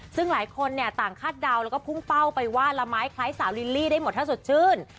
ซึ่งหลายคนเนี่ยต่างคาดเดาแล้วก็พุ่งเป้าไปว่าละไม้คล้ายสาวลิลลี่ได้หมดถ้าสดชื่น